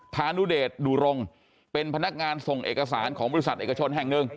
พานุเดชดูรงเป็นพนักงานส่งเอกสารของบริษัทเอกชนแห่งหนึ่ง